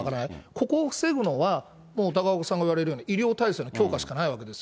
ここを防ぐのは、もう高岡さんが言われるように医療体制の強化しかないわけです。